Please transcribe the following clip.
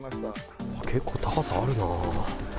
結構、高さあるな。